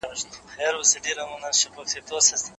پرون مو په ګډه یو میز جوړ کړ.